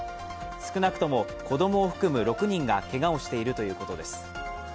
少なくとも子供を含む６人がけがをしているということです。